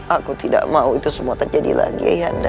aku tidak mau itu semua terjadi lagi ayah anda